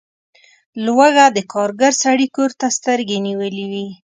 لوږه د کارګر سړي کور ته سترګې نیولي وي.